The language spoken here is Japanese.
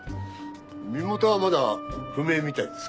身元はまだ不明みたいですが。